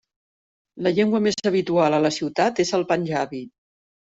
La llengua més habitual a la ciutat és el panjabi.